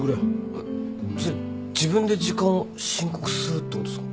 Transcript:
あっそれ自分で時間を申告するってことすか？